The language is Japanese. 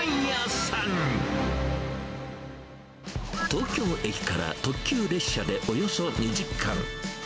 東京駅から特急列車でおよそ２時間。